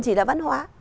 chỉ là văn hóa